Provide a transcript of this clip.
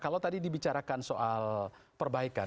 kalau tadi dibicarakan soal perbaikan